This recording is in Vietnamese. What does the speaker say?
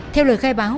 theo lời khai báo